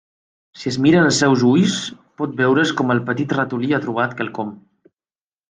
Si es miren els seus ulls, pot veure's com el petit ratolí ha trobat quelcom.